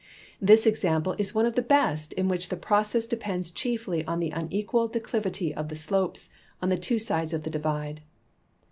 This example is one of the best in which the process depends chiefly on the unequal declivity of the slopes on the two sides of the divide.